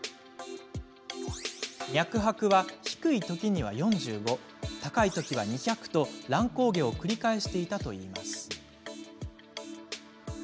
脈拍は、低いときには４５高いときは２００と乱高下を繰り返していたといいます。